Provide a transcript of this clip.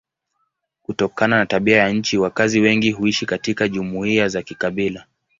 Kutokana na tabia ya nchi wakazi wengi huishi katika jumuiya za kikabila.